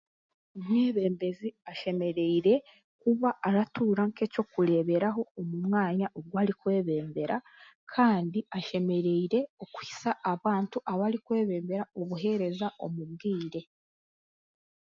Omwebembezi ashemereire kuba aratuura nk'ekyokureeberaho omu mwanya ogu arikwebembera kandi ashemereire okuhisya abantu abarikwebembera obuheereza omu bwire